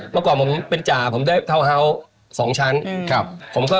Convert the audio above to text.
เมื่อก่อนเป็นจ่าผมได้ท้าวเห้า๒ชั้น